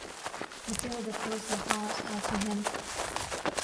Mathilde pours her heart out to him.